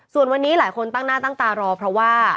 ส่วนวันนี้หลายคนตั้งหน้าตั้งตารอเพราะว่า